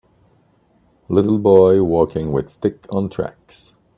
little boy walking with stick on tracks